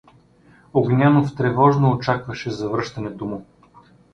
Огнянов тревожно очакваше завръщането му.